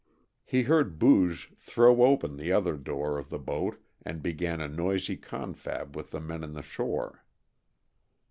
He heard Booge throw open the other door of the boat and begin a noisy confab with the men on the shore.